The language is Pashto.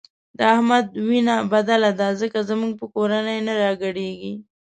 د احمد وینه بدله ده ځکه زموږ په کورنۍ نه راګډېږي.